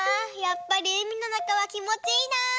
やっぱりうみのなかはきもちいいな。